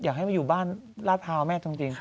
อยากให้มาอยู่บ้านลาดพร้าวแม่จริง